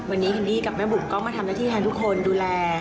วันนี้ฮินดี้กับแม่บุ๋มก็มาทำหน้าที่แทนทุกคนดูแล